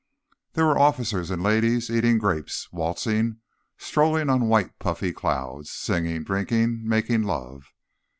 There were officers and ladies eating grapes, waltzing, strolling on white puffy clouds, singing, drinking, making love.